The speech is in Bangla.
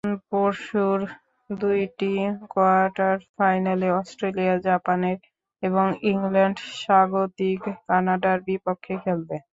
পরশুর দুটি কোয়ার্টার ফাইনালে অস্ট্রেলিয়া জাপানের এবং ইংল্যান্ড স্বাগতিক কানাডার বিপক্ষে খেলবে।